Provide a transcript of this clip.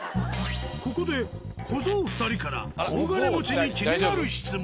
ここで小僧２人から大金持ちに気になる質問。